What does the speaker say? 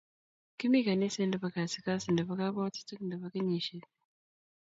Kimi kaniset nebo kasikasi nebo kabwatutik nebo kenyisiek